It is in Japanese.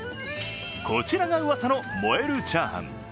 こちらがうわさの燃えるチャーハン。